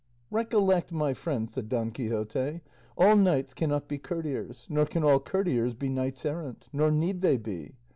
"Recollect, my friend," said Don Quixote, "all knights cannot be courtiers, nor can all courtiers be knights errant, nor need they be.